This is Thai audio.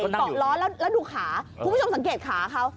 พรุ่งผู้ชมสังเกตขาเขา